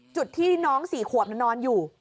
จุดที่น้องสี่ขวบนั้นนอนอยู่